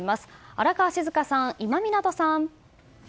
荒川静香さん、今湊さん！